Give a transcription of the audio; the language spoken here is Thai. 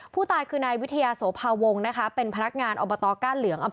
ผู้ตายคือนายวิทยาโสภาวงศ์นะคะเป็นพนักงานอบตก้านเหลือง